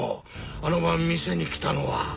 あの晩店に来たのは。